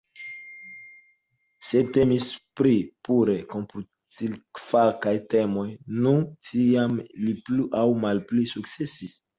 Se temis pri pure komputilfakaj temoj, nu tiam li pli aŭ malpli sukcesis.